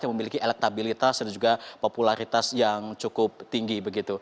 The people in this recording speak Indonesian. yang memiliki elektabilitas dan juga popularitas yang cukup tinggi